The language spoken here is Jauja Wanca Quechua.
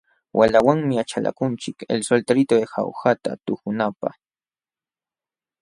Waqlawanmi achalakunchik El solterito de jaujata tuhunapaq.